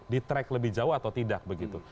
ditrack lebih jauh atau tidak begitu